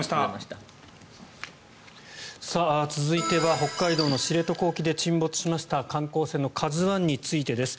続いては北海道の知床沖で沈没した観光船の「ＫＡＺＵ１」についてです。